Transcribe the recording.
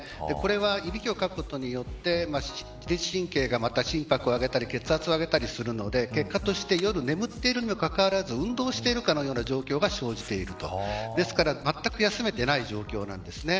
これはいびきをかくことによって自律神経が心拍を上げたり血圧を上げたりするので結果として、夜眠っているにもかかわらず運動しているかのような状況が生じている。